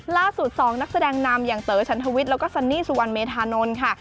๒นักแสดงนำอย่างเต๋อชันทวิทย์แล้วก็ซันนี่สุวรรณเมธานนท์ค่ะ